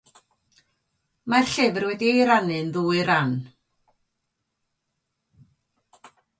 Mae'r llyfr wedi ei rannu'n ddwy ran.